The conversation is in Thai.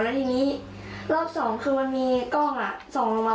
แล้วทีนี้รอบสองคือมันมีกล้องส่องลงมา